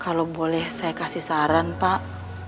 kalau boleh saya kasih saran pak